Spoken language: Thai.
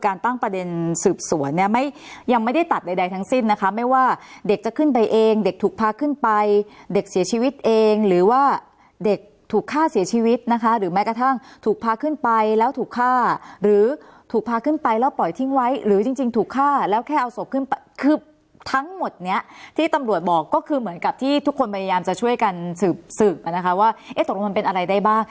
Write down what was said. การตั้งประเด็นสืบสวนยังไม่ได้ตัดใดทั้งสิ้นนะคะไม่ว่าเด็กจะขึ้นไปเองเด็กถูกพาขึ้นไปเด็กเสียชีวิตเองหรือว่าเด็กถูกฆ่าเสียชีวิตนะคะหรือแม้กระทั่งถูกพาขึ้นไปแล้วถูกฆ่าหรือถูกพาขึ้นไปแล้วปล่อยทิ้งไว้หรือจริงถูกฆ่าแล้วแค่เอาศพขึ้นไปคือทั้งหมดเนี่ยที่ตำรวจบ